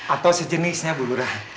atau sejenisnya bu lurah